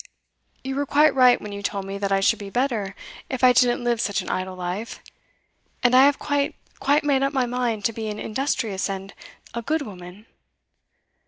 You were quite right when you told me that I should be better if I didn't live such an idle life, and I have quite, quite made up my mind to be an industrious and a good woman.